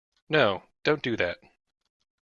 No, don't do that.